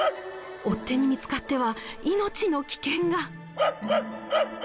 追っ手に見つかっては命の危険が！